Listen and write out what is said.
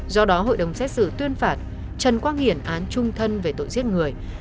do đó hội đồng xét xử tuyên phạt trần quang hiển án trung thân về tội giết người